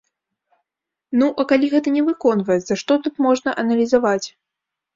Ну, а калі гэта не выконваецца, што тут можна аналізаваць?